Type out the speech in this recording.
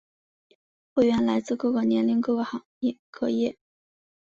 会员来自各个年龄和各行各业。